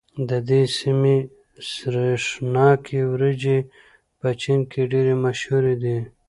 د دې سيمې سرېښناکې وريجې په چين کې ډېرې مشهورې دي.